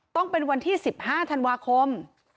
ต้องเป็นวันที่๑๕ธันวาคม